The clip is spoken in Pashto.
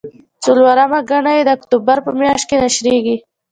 څلورمه ګڼه یې د اکتوبر په میاشت کې نشریږي.